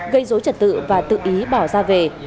gây dối trật tự và tự ý bỏ ra về